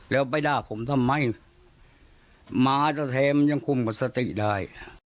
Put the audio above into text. แล้วไปด่าผมทำไมหมาจะแถมยังคุมกับสติได้